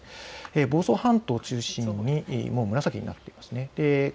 房総半島を中心に紫になっています。